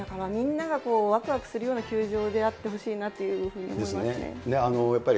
みんながわくわくするような球場であってほしいなと思いますね。